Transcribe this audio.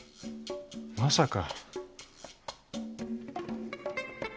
まさか。